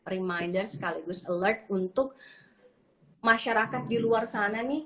reminder sekaligus alert untuk masyarakat di luar sana nih